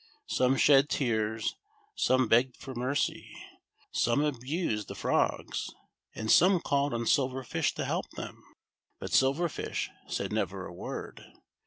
Some shed tears, some begged for merc\', some abused the 42 THE SILVER FISH. frogs, and some called on Silver Fish to help them. But Silver Fish said never a word.